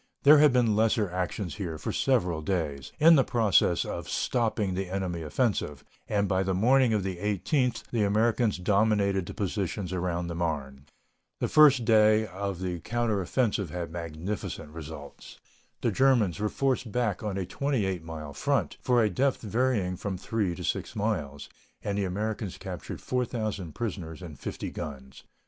There had been lesser actions here for several days, in the process of stopping the enemy offensive, and by the morning of the 18th the Americans dominated the positions around the Marne. The first day of the counter offensive had magnificent results. The Germans were forced back on a 28 mile front, for a depth varying from 3 to 6 miles, and the Americans captured 4,000 prisoners and 50 guns.